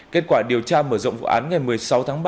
kết quả điều tra mở rộng vụ án ngày một mươi sáu tháng ba